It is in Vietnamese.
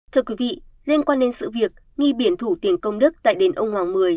thưa quý vị liên quan đến sự việc nghi biển thủ tiền công đức tại đền ông hoàng mười